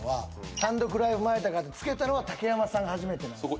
単独ライブ前だからって付けたのは竹山さんが初めてなんですよね。